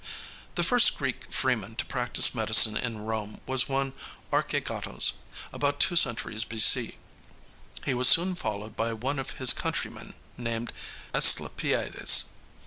The first Greek freeman to practice medicine in Rome was one Archagatos, about two centuries B.C. He was soon followed by one of his countrymen named Asclepiades.